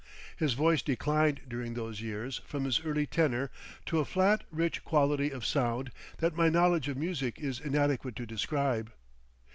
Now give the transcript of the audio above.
His voice declined during those years from his early tenor to a flat rich quality of sound that my knowledge of music is inadequate to describe.